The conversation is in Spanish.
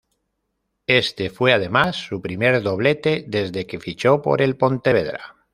Este fue además su primer doblete desde que fichó por el Pontevedra.